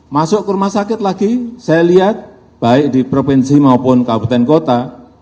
masuk ke rumah sakit lagi saya lihat baik di provinsi maupun kabupaten kota